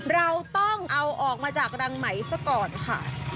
เราต้องเอาออกมาจากรังไหมซะก่อนค่ะ